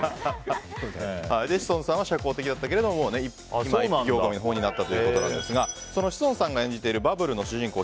志尊さんは社交的だったけれども今は一匹狼になったということですが志尊さんが演じている「バブル」の主人公